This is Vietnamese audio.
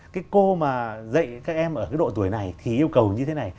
cái cô mà dạy các em ở cái độ tuổi này thì yêu cầu như thế này